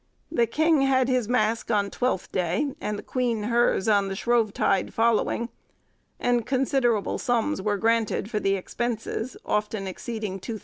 The king had his mask on Twelfth Day, and the queen hers on the Shrovetide following, and considerable sums were granted for the expenses, often exceeding £2000.